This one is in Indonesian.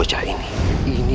aku akan menangkapmu